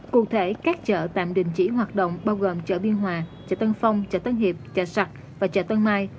cụ thể các chợ tạm đình chỉ hoạt động bao gồm chợ biên hòa chợ tân phong chợ tân hiệp chợ và chợ tân mai